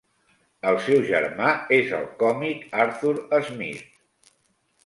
El seu germà és el còmic Arthur Smith.